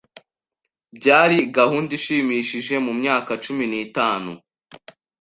Byari gahunda ishimishije mumyaka cumi n'itanu.